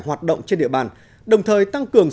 hoạt động trên địa bàn đồng thời tăng cường